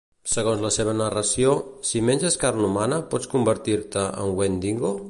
Segons la seva narració, si menges carn humana pots convertir-te en Wendigo?